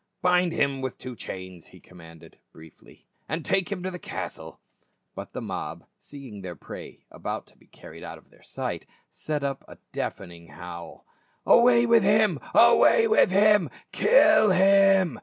" Bind him with two chains," he commanded briefly, "and take him to the castle." But the mob, seeing their prey about to be carried out of their sight, set up a deafening howl, " Away with him — Away with him! Kill him!"